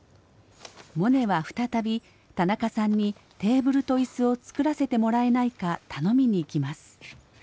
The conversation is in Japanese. モネは再び田中さんにテーブルと椅子を作らせてもらえないか頼みに行きます。